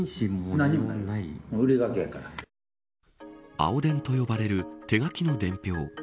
青伝と呼ばれる手書きの伝票。